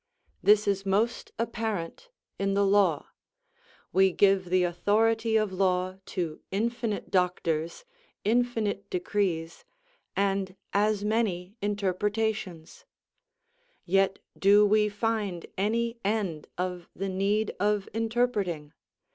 This is most apparent in the law; we give the authority of law to infinite doctors, infinite decrees, and as many interpretations; yet do we find any end of the need of interpretating?